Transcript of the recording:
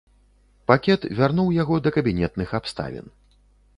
Пакет вярнуў яго да кабінетных абставін.